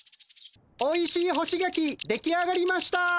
おいしい干しガキ出来上がりました！